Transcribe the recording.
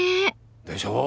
でしょう？